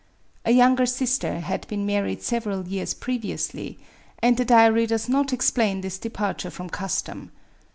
A younger sister had been married several years previously ; and the diary does not explain this departure from custom.